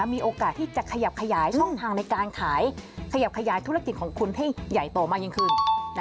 มีโอกาสที่จะขยับขยายช่องทางในการขายขยับขยายธุรกิจของคุณให้ใหญ่โตมากยิ่งขึ้น